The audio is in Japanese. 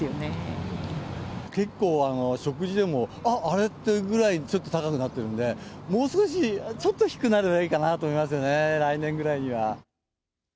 結構、食事でも、あれ？っていうぐらい、ちょっと高くなってるんで、もう少しちょっと低くなればいいかなと思いますよね、来年ぐらいには。